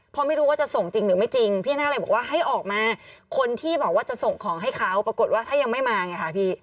เพราะไม่รู้ว่าจะส่งจริงหรือไม่จริงพี่น่าเลยบอกว่าให้ออกมาคนที่บอกว่าจะส่งของให้เขาปรากฏว่าถ้ายังไม่มาไงค่ะพี่